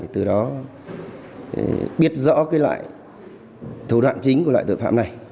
từ đó biết rõ cái loại thủ đoạn chính của loại tội phạm này